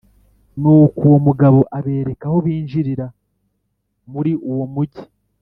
Nuko uwo mugabo abereka aho binjirira muri uwo mugi;